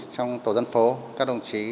trong tổ dân phố các đồng chí